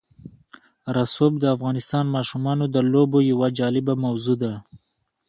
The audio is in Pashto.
رسوب د افغان ماشومانو د لوبو یوه جالبه موضوع ده.